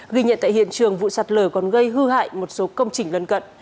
ghi nhận tại hiện trường vụ sạt lở còn gây hư hại một số công trình lân cận